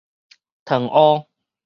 糖烏